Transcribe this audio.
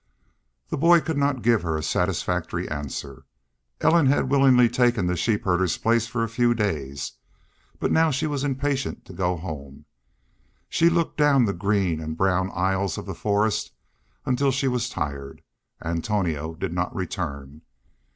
The boy could not give her a satisfactory answer. Ellen had willingly taken the sheep herder's place for a few days, but now she was impatient to go home. She looked down the green and brown aisles of the forest until she was tired. Antonio did not return.